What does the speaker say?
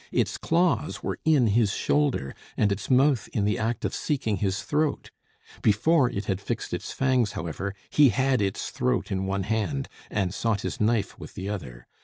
Its claws were in his shoulder, and its mouth in the act of seeking his throat. Before it had fixed its fangs, however, he had its throat in one hand, and sought his knife with the other.